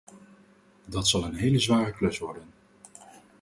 Dat zal een heel zware klus worden.